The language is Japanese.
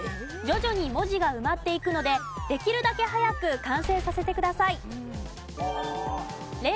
徐々に文字が埋まっていくのでできるだけ早く完成させてください。